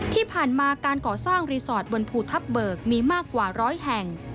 ที่ผ่านมาการก่อสร้างรีสอร์ทบนภูทับเบิกมีมากกว่าร้อยแห่ง